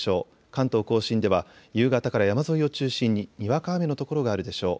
関東甲信では夕方から山沿いを中心ににわか雨の所があるでしょう。